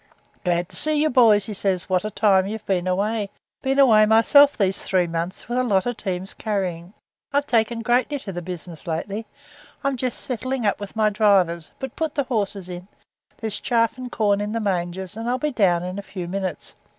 'Glad to see you, boys,' he says; 'what a time you've been away! Been away myself these three months with a lot of teams carrying. I've taken greatly to the business lately. I'm just settling up with my drivers, but put the horses in, there's chaff and corn in the mangers, and I'll be down in a few minutes.